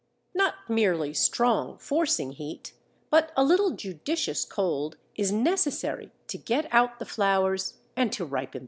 Not merely strong, forcing heat, but a little judicious cold, is necessary to get out the flowers and to ripen the fruit.